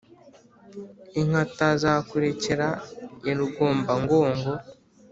inkatazakurekera ya rugombangogo